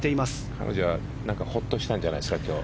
彼女はほっとしたんじゃないんですか、今日。